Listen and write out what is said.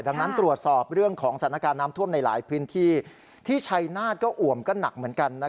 ดังนั้นตรวจสอบเรื่องของสถานการณ์น้ำท่วมในหลายพื้นที่ที่ชัยนาธก็อ่วมก็หนักเหมือนกัน